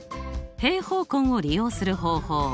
平方根を利用する方法